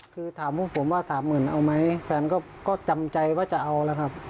คือถามพวกผมว่าสามหมื่นเอาไหมแฟนก็จำใจว่าจะเอาแล้วครับ